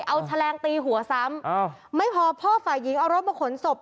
เอาแฉลงตีหัวซ้ำไม่พอพ่อฝ่ายหญิงเอารถมาขนศพ